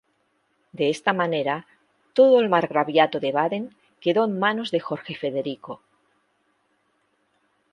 De esta manera todo el margraviato de Baden quedó en manos de Jorge Federico.